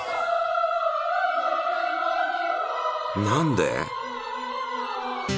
何で？